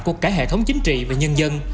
cuộc cả hệ thống chính trị và nhân dân